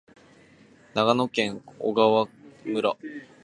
長野県小川村